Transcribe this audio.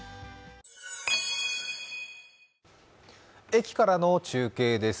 駅からの中継です。